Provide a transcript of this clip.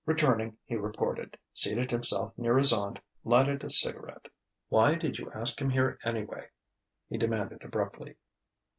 Returning, he reported, seated himself near his aunt, lighted a cigarette. "Why did you ask him here anyway?" he demanded abruptly.